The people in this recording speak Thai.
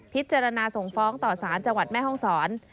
ทิศจรนะทรงฟ้องต่อศาลจแม่ห้องศร